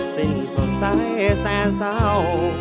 สิ้นสดใสแสนเศร้า